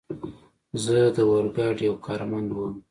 زه د اورګاډي یو کارمند ووم.